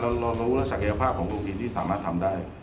เรารู้ศักยภาพของลูกพีชที่สามารถทำได้